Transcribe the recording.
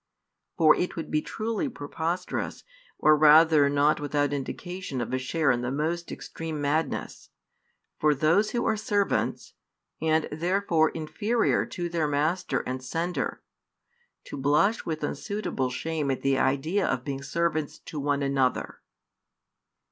For it would be truly preposterous, or rather not without indication of a share in the most extreme madness, for those who are servants, and therefore inferior to their Master and Sender, to blush with unsuitable shame at the idea of being servants to one another.